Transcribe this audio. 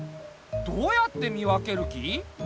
どうやって見分ける気？